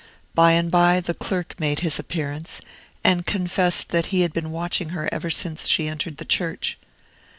By and by the clerk made his appearance, and confessed that he had been watching her ever since she entered the church.